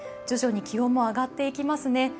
徐々に気温も上がっていきますね。